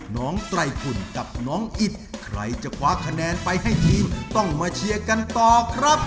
ไตรคุณกับน้องอิดใครจะคว้าคะแนนไปให้ทีมต้องมาเชียร์กันต่อครับ